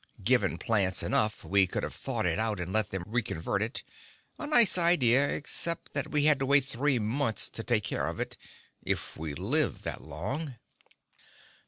Given plants enough, we could have thawed it and let them reconvert it; a nice idea, except that we had to wait three months to take care of it, if we lived that long.